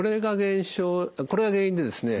これが原因でですね